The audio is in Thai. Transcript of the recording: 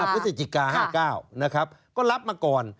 พฤศจิกา๕๙นะครับก็รับมาก่อน